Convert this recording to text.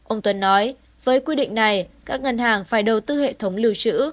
ông tuấn nói với quy định này các ngân hàng phải đầu tư hệ thống lưu trữ